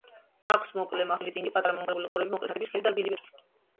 აქვს მოკლე, მახვილი დინგი, პატარა მომრგვალებული ყურები, მოკლე თათები, სქელი და რბილი ბეწვი.